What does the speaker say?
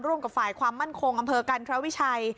ร่วมกับฝ่ายความมั่นคงอำเภอกรรมการเค้าวิชัย